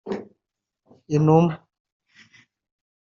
inuma